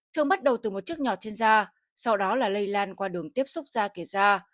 thường bắt đầu từ một chiếc nhỏ trên da sau đó là lây lan qua đường tiếp xúc ra kề da